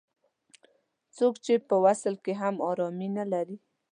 څوک چې په وصل کې هم ارامي نه لري.